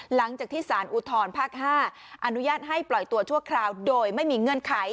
หลังจากที่สารอุทธรภาค๕อนุญาตให้ปล่อยตัวชั่วคราวโดยไม่มีเงื่อนไข